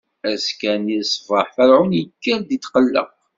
Azekka-nni ṣṣbeḥ, Ferɛun ikker-d itqelleq.